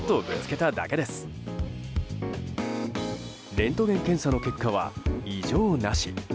レントゲン検査の結果は異常なし。